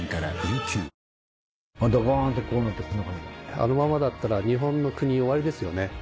・あのままだったら日本の国終わりですよね・